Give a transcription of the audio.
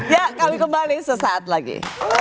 ya kami kembali sesaat lagi